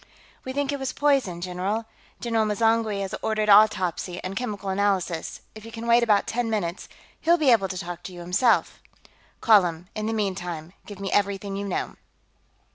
"We think it was poison, general. General M'zangwe has ordered autopsy and chemical analysis. If you can wait about ten minutes, he'll be able to talk to you, himself." "Call him. In the meantime, give me everything you know."